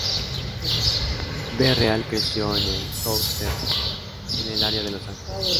B-Real creció en el South Gate, en el área de Los Ángeles.